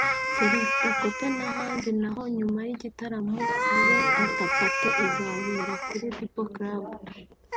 Selekta Copain n’abandi naho nyuma y'igitaramo habe 'afterparty' ikazabera kuri People’s Club